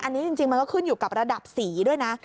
อันนี้จริงมันก็ขึ้นอยู่กับระดับสีด้วยนะ